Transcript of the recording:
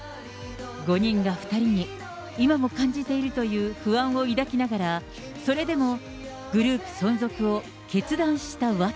５人が２人に、今も感じているという不安を抱きながら、それでもグループ存続を決断した訳。